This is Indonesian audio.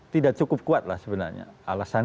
tidak cukup kuatlah sebenarnya alasan